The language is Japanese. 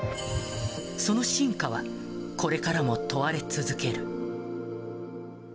その真価はこれからも問われ続ける。